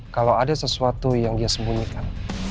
kalau ada sesuatu yang dia sembunyikan